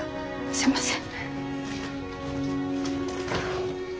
すいません。